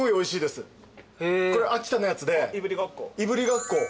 これ秋田のやつでいぶりがっこ。